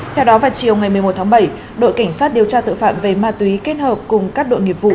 theo đó vào chiều ngày một mươi một tháng bảy đội cảnh sát điều tra tội phạm về ma túy kết hợp cùng các đội nghiệp vụ